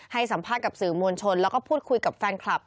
ให้สัมภาษณ์กับสื่อมวลชนแล้วก็พูดคุยกับแฟนคลับ